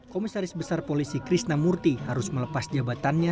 komisaris besar polisi krisnamurti harus melepas jabatannya